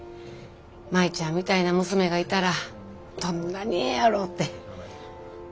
舞ちゃんみたいな娘がいたらどんなにええやろて。